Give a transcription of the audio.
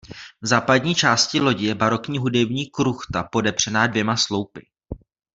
V západní části lodi je barokní hudební kruchta podepřená dvěma sloupy.